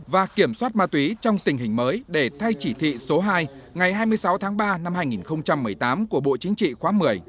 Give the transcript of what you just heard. và kiểm soát ma túy trong tình hình mới để thay chỉ thị số hai ngày hai mươi sáu tháng ba năm hai nghìn một mươi tám của bộ chính trị khóa một mươi